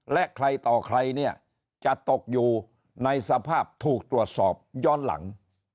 และใครต่อใครเนี่ยจะตกอยู่ในสภาพถูกตรวจสอบย้อนหลัง